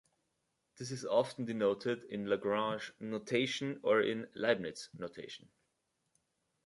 This is often denoted in Lagrange's notation or in Leibniz's notation.